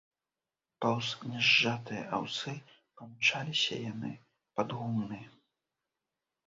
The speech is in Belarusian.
Паўз нязжатыя аўсы памчаліся яны пад гумны.